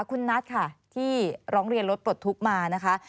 คุณนัทค่ะที่ร้องเรียนรถปลดทุกข์มานะคะ